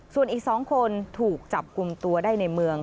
ส่วนอีก๒คนถูกจับกลุ่มตัวได้ในเมือง